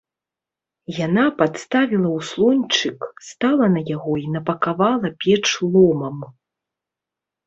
Яна падставіла ўслончык, стала на яго і напакавала печ ломам.